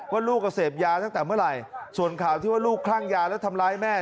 ว่าลูกก็เสพยาตั้งแต่เมื่อไหร่ส่วนข่าวที่ว่าลูกคลั่งยาแล้วทำร้ายแม่